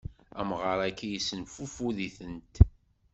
Amɣaṛ-agi issenfufud-itent.